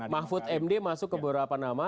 mahfud md masuk ke beberapa nama